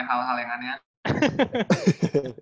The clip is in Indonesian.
hal hal yang aneh aneh